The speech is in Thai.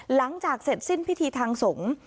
หลังจากเสร็จสิ้นพิธีทางสงฆ์